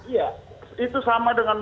iya itu sama dengan